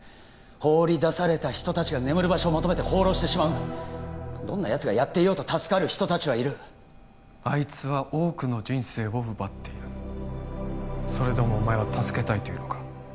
放り出された人達が眠る場所を求めて放浪してしまうんだどんなやつがやっていようと助かる人達はいるあいつは多くの人生を奪っているそれでもお前は助けたいというのか？